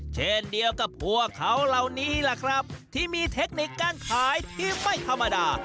เช่นเดียวกับพวกเขาเหล่านี้ล่ะครับที่มีเทคนิคการขายที่ไม่ธรรมดา